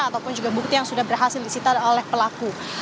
ataupun juga bukti yang sudah berhasil disita oleh pelaku